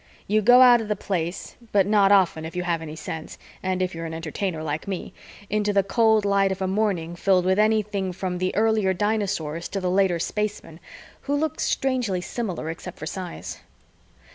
You go out of the Place, but not often if you have any sense and if you are an Entertainer like me, into the cold light of a morning filled with anything from the earlier dinosaurs to the later spacemen, who look strangely similar except for size.